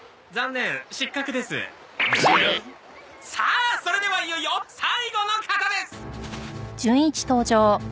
さあそれではいよいよ最後の方です！